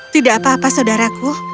tidak apa apa saudaraku